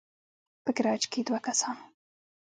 په ګراج کې دوه کسان